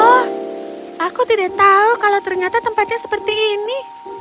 oh aku tidak tahu kalau ternyata tempatnya seperti ini